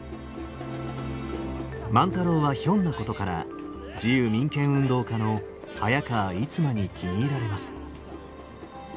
万太郎はひょんなことから自由民権運動家の早川逸馬に気に入られます。